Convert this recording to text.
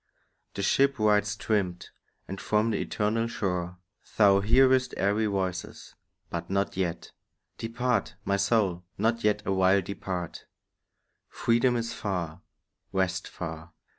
The ship rides trimmed, and from the eternal shore Thou hearest airy voices; but not yet Depart, my soul, not yet awhile depart. Freedom is far, rest far.